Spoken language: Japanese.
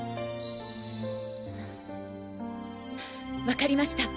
わかりました。